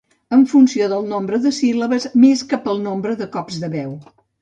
en funció del nombre de síl·labes més que pel nombre de cops de veu.